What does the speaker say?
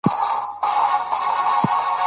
دا ناول د نړۍ یووالي ته بلنه ورکوي.